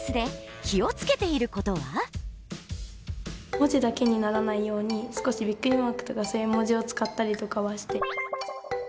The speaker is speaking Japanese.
文字だけにならないように少しビックリマークとかそういう絵文字を使ったりとかはして。